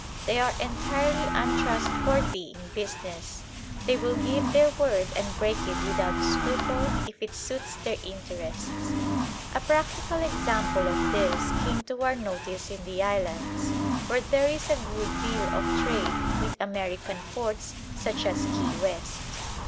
They are entirely untrustworthy in business: they will give their word and break it without scruple if it suits their interests. A practical example of this came to our notice in the islands, where there is a good deal of trade with American ports such as Key West.